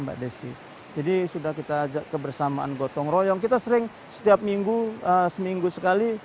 mbak desi jadi sudah kita ajak kebersamaan gotong royong kita sering setiap minggu seminggu sekali